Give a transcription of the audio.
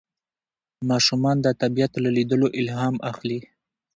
ماشومان د طبیعت له لیدلو الهام اخلي